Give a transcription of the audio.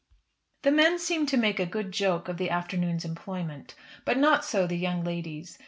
The men seemed to make a good joke of the afternoon's employment, but not so the young ladies.